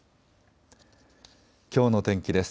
きょうの天気です。